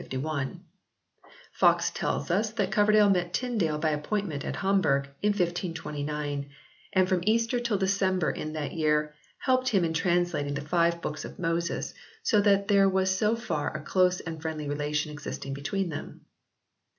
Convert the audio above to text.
Foxe tells us that Cover dale met Tyndale by appointment at Hamburg in 1529, and from Easter till December in that year helped him in translating the five books of Moses, so that there was so far a close and friendly relation existing between them.